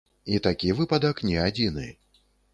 І такі выпадак не адзіны.